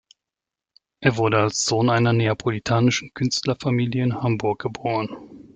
Er wurde als Sohn einer neapolitanischen Künstlerfamilie in Hamburg geboren.